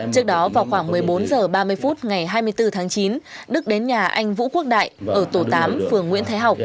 trước đó vào khoảng một mươi bốn h ba mươi phút ngày hai mươi bốn tháng chín đức đến nhà anh vũ quốc đại ở tổ tám phường nguyễn thái học